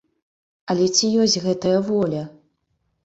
Але ці ёсць гэтая воля?